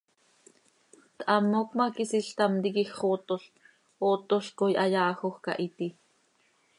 Thamoc ma, quisiil ctam tiquij xootol, ootolc coi ha yaajoj cah itii.